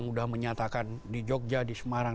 sudah menyatakan di jogja di semarang